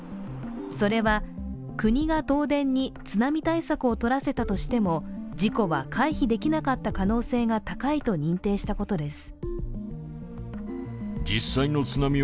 それは、国が東電に津波対策を取らせたとしても事故は回避できなかった可能性が高いと認定したことです。